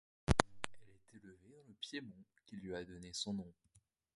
Elle est élevée dans le Piémont qui lui a donné son nom.